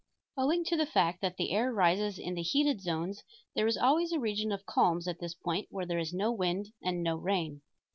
Owing to the fact that the air rises in the heated zone there is always a region of calms at this point where there is no wind and no rain.